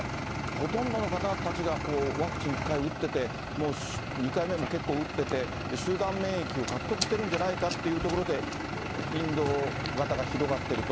ほとんどの方たちがワクチン１回打ってて、もう２回目も結構打ってて、集団免疫を獲得してるんじゃないかっていうところで、インド型が広がってると。